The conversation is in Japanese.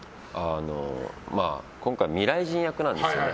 今回、未来人役なんですね。